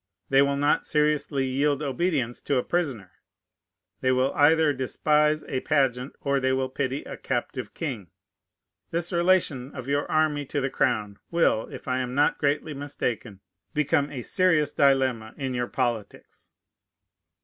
They will not seriously yield obedience to a prisoner. They will either despise a pageant, or they will pity a captive king. This relation of your army to the crown will, if I am not greatly mistaken, become a serious dilemma in your politics.